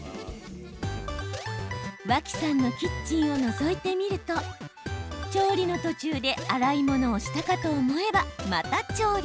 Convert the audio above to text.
脇さんのキッチンをのぞいてみると調理の途中で洗い物をしたかと思えば、また調理。